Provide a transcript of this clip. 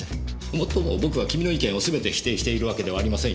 もっとも僕は君の意見をすべて否定しているわけではありませんよ。